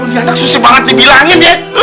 di anak susu banget dibilangin ya